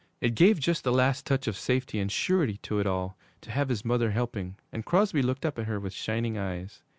It gave just the last touch of safety and surety to it all to have his mother helping, and Crosby looked up at her with shining eyes.